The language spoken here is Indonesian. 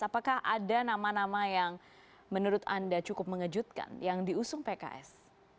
apakah ada nama nama yang menurut anda cukup mengejutkan yang diusung pks